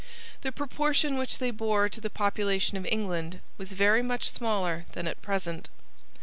The proportion which they bore to the population of England was very much smaller than at present.